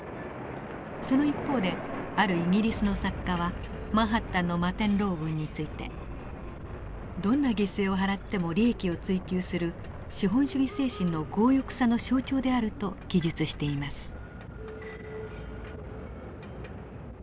その一方であるイギリスの作家はマンハッタンの摩天楼群について「どんな犠牲を払っても利益を追求する資本主義精神の強欲さの象徴である」と記述しています。